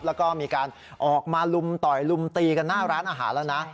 แล้วก็มีการออกมาลุมต่อยลุมตีกันหน้าร้านอาหารแล้วนะ